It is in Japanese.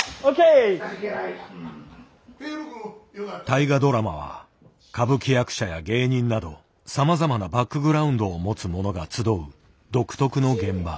大河ドラマは歌舞伎役者や芸人などさまざまなバックグラウンドを持つ者が集う独特の現場。